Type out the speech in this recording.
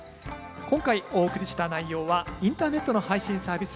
今回お送りした内容はインターネットの配信サービス